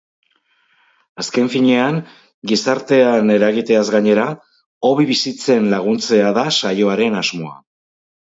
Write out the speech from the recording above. Azken finean, gizartean eragiteaz gainera, hobe bizitzen laguntzea da saioaren asmoa.